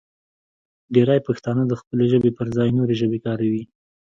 ډېری پښتانه د خپلې ژبې پر ځای نورې ژبې کاروي.